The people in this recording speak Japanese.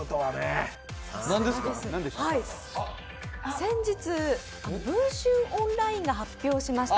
先日、文春オンラインが発表しました